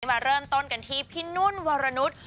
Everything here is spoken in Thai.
มาเริ่มต้นกันที่พี่นุ่นวรนุษย์